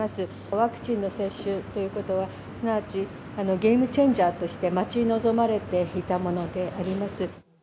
ワクチンの接種ということは、すなわちゲームチェンジャーとして待ち望まれていたものであります。